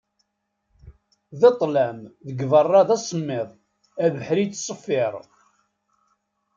D ṭlam, deg berra d asemmiḍ, abeḥri yettseffir.